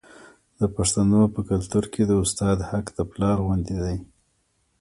د پښتنو په کلتور کې د استاد حق د پلار غوندې دی.